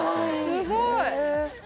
すごい！